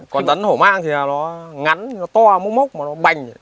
còn rắn hổ mang thì nó ngắn nó to mốc mốc mà nó bành